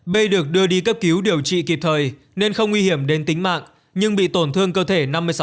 b được đưa đi cấp cứu điều trị kịp thời nên không nguy hiểm đến tính mạng nhưng bị tổn thương cơ thể năm mươi sáu